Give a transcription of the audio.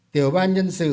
tiểu ban nhân sự